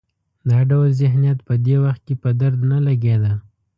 دا ډول ذهنیت په دې وخت کې په درد نه لګېده.